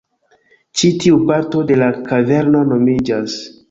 Ĉi tiu parto de la kaverno nomiĝas